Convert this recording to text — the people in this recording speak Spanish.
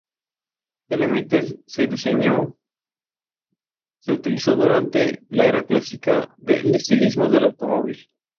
Se puede elaborar con carne de toro o vegetales.